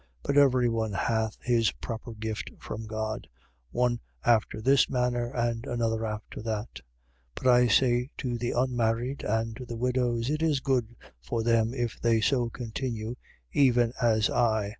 But every one hath his proper gift from God: one after this manner, and another after that. 7:8. But I say to the unmarried and to the widows: It is good for them if they so continue, even as I.